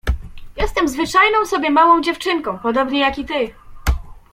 — Jestem zwyczajną sobie małą dziewczynką, podobnie jak i ty.